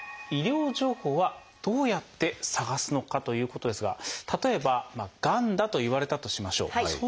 「医療情報はどうやって探すのか？」ということですが例えば「がんだ」と言われたとしましょう。